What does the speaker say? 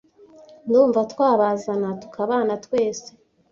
ndumva twabazana tukabana twese